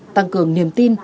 tăng cường niềm tin